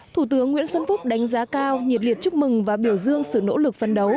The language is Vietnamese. thủ tướng nguyễn xuân phúc đánh giá cao nhiệt liệt chúc mừng và biểu dương sự nỗ lực phấn đấu